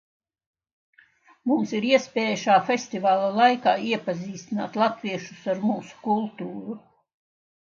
Mums ir iespēja šā festivāla laikā iepazīstināt latviešus ar mūsu kultūru.